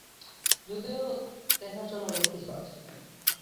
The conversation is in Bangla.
যদিও দেখার জন্য অনেক কিছু আছে।